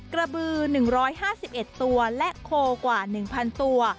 กระบือ๑๕๑ตัวและโคกว่า๑๐๐ตัว